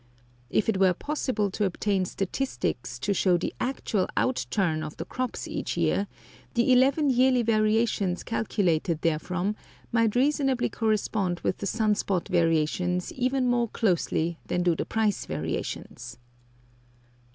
If it were possible to obtain statistics to show the actual out turn of the crops each year, the eleven yearly variations calculated therefrom might reasonably correspond with the sun spot variations even more closely than do the price variations.